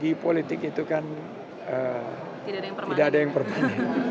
di politik itu kan tidak ada yang berpengaruh